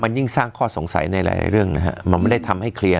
ยิ่งสร้างข้อสงสัยในหลายเรื่องนะฮะมันไม่ได้ทำให้เคลียร์